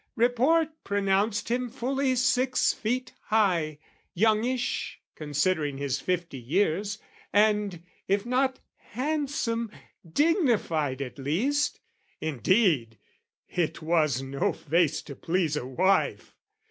"Report pronounced him fully six feet high, "Youngish, considering his fifty years, "And, if not handsome, dignified at least. "Indeed, it was no face to please a wife!